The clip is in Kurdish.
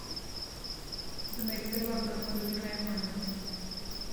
Di mekteban de Kurdî nayê xwendin